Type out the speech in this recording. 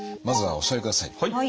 まずはお座りください。